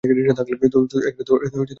তুমি তাহলে আমিই।